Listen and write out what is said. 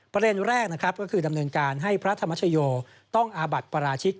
ประเด็นแรกนะครับก็คือดำเนินการให้พระธรรมชโยต้องอาบัติปราชิก